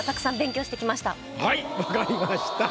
はい分かりました。